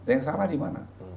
yang salah di mana